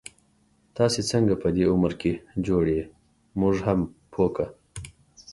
تاسو څنګه په دی عمر کي جوړ يې، مونږ هم پوه کړه